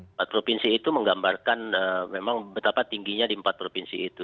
empat provinsi itu menggambarkan memang betapa tingginya di empat provinsi itu